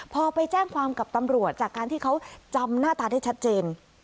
พอไปแจ้งความกับตำรวจจากการที่เขาจำหน้าตาได้ชัดเจน